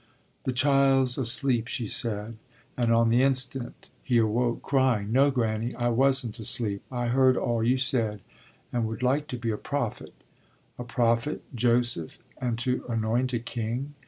The child's asleep, she said, and on the instant he awoke crying: no, Granny, I wasn't asleep. I heard all you said and would like to be a prophet. A prophet, Joseph, and to anoint a king?